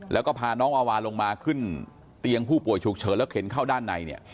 แล้วก็พาน้องวาวาลงมาขึ้นเตียงผู้ป่วยฉุกเฉินแล้วเข็นเข้าด้านในเนี่ย